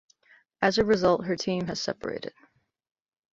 As a result, her team has separated.